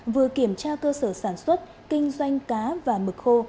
vừa kiểm tra cơ sở sản xuất kinh doanh cá và mực khô